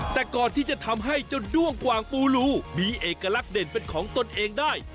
แต่ก่อนที่จะทำให้เจ้าด้วงกว่างปูรูมีเอกลักษณ์เด่นเป็นของตนเองได้